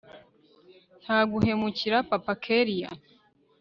ntaguhemukira papa kellia